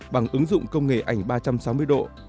bằng ứng dụng công nghệ ảnh ba trăm sáu mươi độ